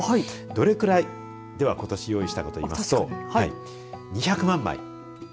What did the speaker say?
どれぐらい、ではことし用意したかといいますと２００万枚。